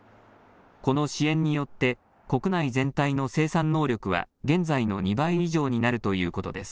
この支援によって国内全体の生産能力は現在の２倍以上になるということです。